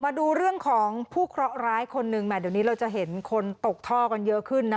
มาดูเรื่องของผู้เคราะห์ร้ายคนหนึ่งแหมเดี๋ยวนี้เราจะเห็นคนตกท่อกันเยอะขึ้นนะ